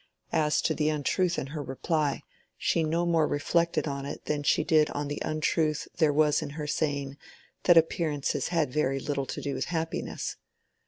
As to the untruth in her reply, she no more reflected on it than she did on the untruth there was in her saying that appearances had very little to do with happiness.